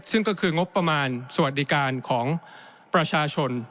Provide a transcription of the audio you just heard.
ซึ่งก็คืองบประมาณสวัสดิการของประชาชน